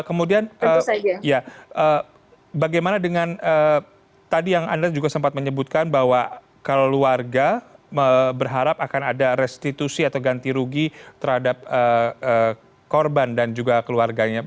kemudian ya bagaimana dengan tadi yang anda juga sempat menyebutkan bahwa keluarga berharap akan ada restitusi atau ganti rugi terhadap korban dan juga keluarganya